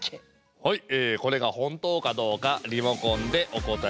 はいこれが本当かどうかリモコンでおこたえください。